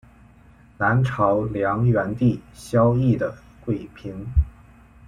南朝梁元帝萧绎的贵嫔。